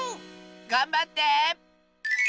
がんばって！